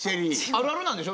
あるあるなんでしょ？